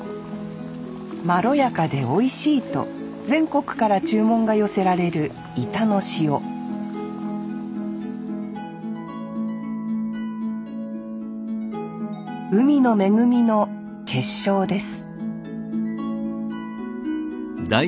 まろやかでおいしいと全国から注文が寄せられる井田の塩海の恵みの結晶です